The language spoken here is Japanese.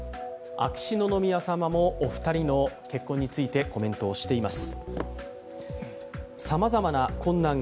秋篠宮さまもお二人の結婚についてコメントをしています。